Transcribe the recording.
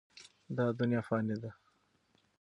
دا دنیا فاني ده.